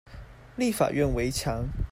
立法院圍牆